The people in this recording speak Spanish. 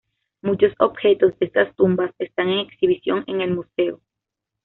Muchos objetos de estas tumbas están en exhibición en el Museo.